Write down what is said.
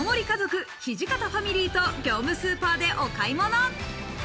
家族・土方ファミリーと業務スーパーでお買い物。